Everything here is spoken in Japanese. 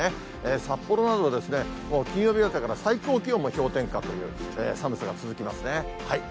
札幌などは金曜日あたりから、最高気温も氷点下という寒さが続きますね。